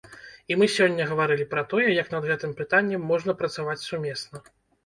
І мы сёння гаварылі пра тое, як над гэтым пытаннем можна працаваць сумесна.